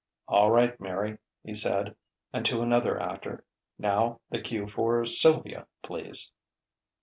"All right, Mary," he said; and to another actor: "Now, the cue for Sylvia, please!"